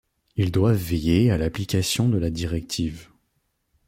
Ils doivent veiller à l'application de la directive.